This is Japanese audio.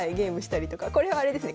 これはあれですね